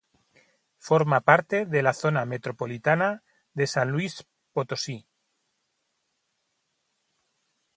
Forma parte de la Zona Metropolitana de San Luis Potosí.